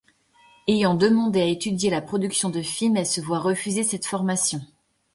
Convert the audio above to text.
Ayant demandé à étudier la production de films, elle se voit refuser cette formation.